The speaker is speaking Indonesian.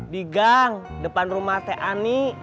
di gang depan rumah teh ani